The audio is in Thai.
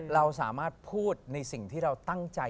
เราสามารถพูดในสิ่งที่เราตั้งใจ